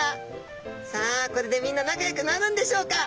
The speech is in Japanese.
さあこれでみんな仲よくなるんでしょうか。